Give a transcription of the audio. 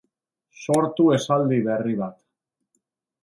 Sortu esaldi berri bat.